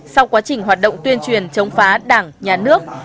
sau quá trình hoạt động tuyên truyền chống phá đảng nhà nước